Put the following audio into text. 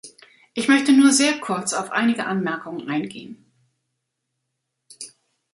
Ich möchte nur sehr kurz auf einige Anmerkungen eingehen.